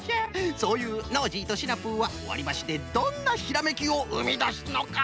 そういうノージーとシナプーはわりばしでどんなひらめきをうみだすのか。